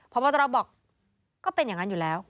พบตรบอกก็เป็นอย่างนั้นอยู่แล้ว